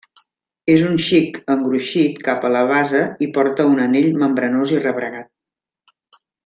És un xic engruixit cap a la base i porta un anell membranós i rebregat.